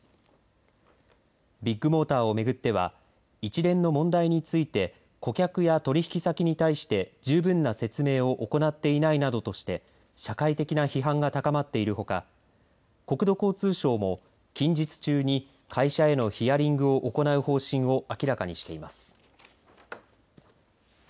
ビッグモーターを巡っては一連の問題について顧客や取引先に対して十分な説明を行っていないなどとして社会的な批判が高まっているほか国土交通省も近日中に会社へのヒアリングを行う方針を明らかにしています。